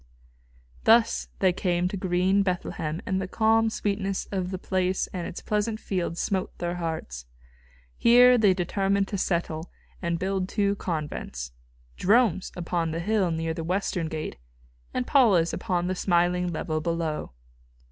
Thus they came to green Bethlehem, and the calm sweetness of the place and its pleasant fields smote their hearts. Here they determined to settle and build two convents Jerome's upon the hill near the western gate and Paula's upon the smiling level below.